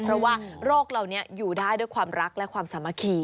เพราะว่าโรคเหล่านี้อยู่ได้ด้วยความรักและความสามัคคี